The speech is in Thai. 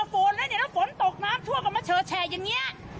ฝุ่นแล้วเนี่ยแล้วฝนตกน้ำทั่วกันมาเชิดแชร์อย่างเงี้ย